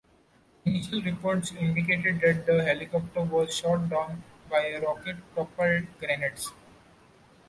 Initial reports indicated that the helicopter was shot down by rocket propelled grenades.